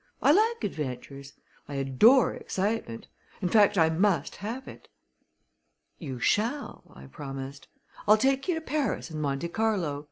I like adventures I adore excitement; in fact I must have it." "You shall," I promised. "I'll take you to Paris and Monte Carlo.